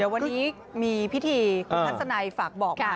วันนี้มีพิธีคุณทัศนัยฝากบอกมา